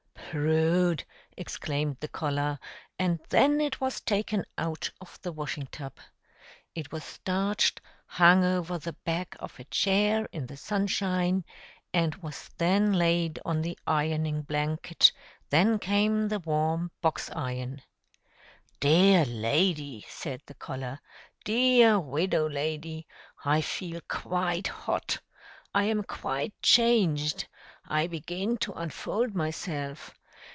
"Prude!" exclaimed the collar; and then it was taken out of the washing tub. It was starched, hung over the back of a chair in the sunshine, and was then laid on the ironing blanket; then came the warm box iron. "Dear lady!" said the collar. "Dear widow lady! I feel quite hot. I am quite changed. I begin to unfold myself.